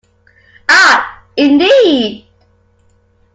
Ah, indeed.